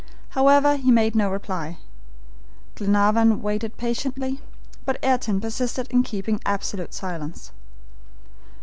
However, he made no reply. Glenarvan waited patiently. But Ayrton persisted in keeping absolute silence.